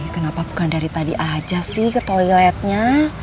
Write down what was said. kenapa bukan dari tadi aja sih ke toiletnya